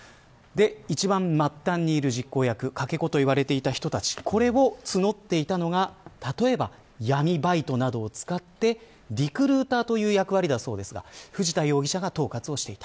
一番末端にいる実行役かけ子と言われていた人たちこれを募っていたのが例えば闇バイトなどを使ってリクルーターという役割だそうですが藤田容疑者が統括をしていた。